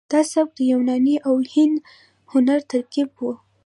دا سبک د یوناني او هندي هنر ترکیب و